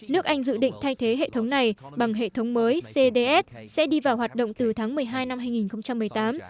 nước anh dự định thay thế hệ thống này bằng hệ thống mới cds sẽ đi vào hoạt động từ tháng một mươi hai năm hai nghìn một mươi tám